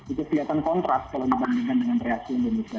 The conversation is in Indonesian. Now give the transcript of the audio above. itu kelihatan kontras kalau dibandingkan dengan reaksi indonesia